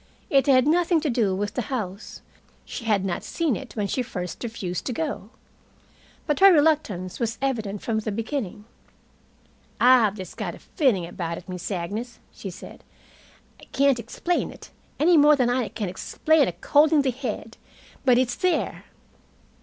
It had nothing to do with the house. She had not seen it when she first refused to go. But her reluctance was evident from the beginning. "I've just got a feeling about it, Miss Agnes," she said. "I can't explain it, any more than I can explain a cold in the head. But it's there."